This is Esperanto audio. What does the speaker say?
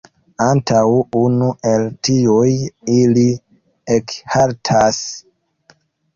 Antaŭ unu el tiuj ili ekhaltas.